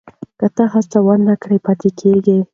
که ته هڅه ونه کړې پاتې کېږې.